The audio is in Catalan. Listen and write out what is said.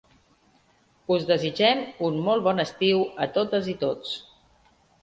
Us desitgem un molt bon estiu a totes i tots.